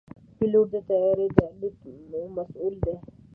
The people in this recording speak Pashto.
پيلوټ د طیارې د الوت مسؤل دی.